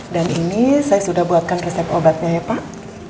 dan ini saya sudah buatkan resep obatnya ya pak